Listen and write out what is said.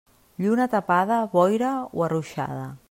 Lluna tapada, boira o arruixada.